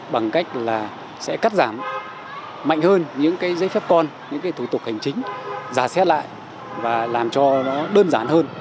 bằng cách là sẽ cắt giảm mạnh hơn những cái giấy phép con những cái thủ tục hành chính giả xét lại và làm cho nó đơn giản hơn